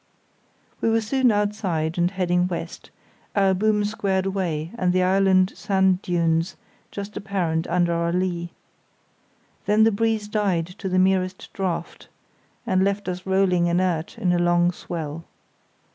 We were soon outside and heading west, our boom squared away and the island sand dunes just apparent under our lee. Then the breeze died to the merest draught, and left us rolling inert in a long swell.